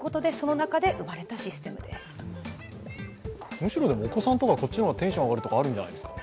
むしろ、お子さんとか、こっちの方がテンション上がるとか、あるんじゃないですか。